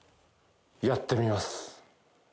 やってみます。